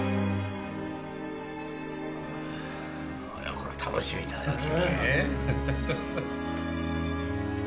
これ楽しみだよ君。